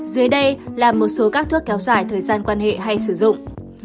dưới đây là một số các thuốc kéo dài thời gian quan hệ hay sử dụng